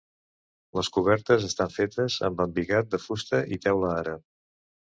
Les cobertes estan fetes amb embigat de fusta i teula àrab.